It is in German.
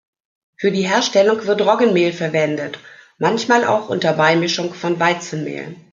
Für die Herstellung wird Roggenmehl verwendet, manchmal auch unter Beimischung von Weizenmehl.